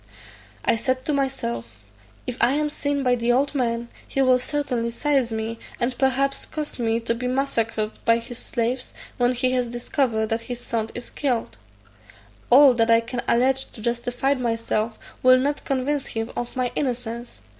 I said to myself, "If I am seen by the old man, he will certainly seize me, and perhaps cause me to be massacred by his slaves, when he has discovered that his son is killed: all that I can allege to justify myself will not convince him of my innocence.